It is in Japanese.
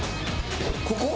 ここ？